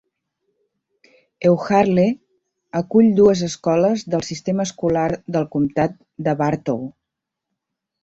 Euharlee acull dues escoles del sistema escolar del comtat de Bartow.